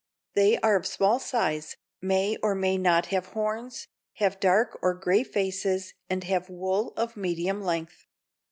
They are of small size, may or may not have horns, have dark or gray faces and have wool of medium length.